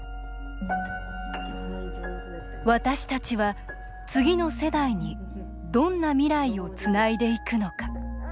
私たちは次の世代にどんな未来をつないでいくのか。